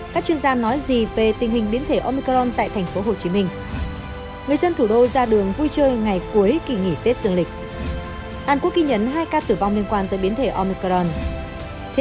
các bạn hãy đăng ký kênh để ủng hộ kênh của chúng mình nhé